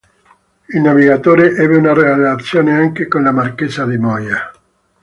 Il navigatore ebbe una relazione anche con la marchesa di Moya.